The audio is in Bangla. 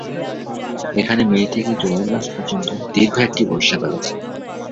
এখানে মে থেকে জুলাই মাস পর্যন্ত দীর্ঘ একটি বর্ষাকাল আছে।